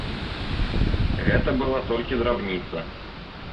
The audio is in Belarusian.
Гэта была толькі драбніца.